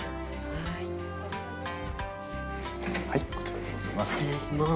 はい、こちらでございます。